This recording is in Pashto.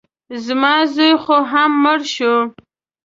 زما زوی خو هم مړ شو.